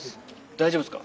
大丈夫ですか？